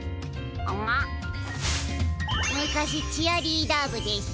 むかしチアリーダーぶでした。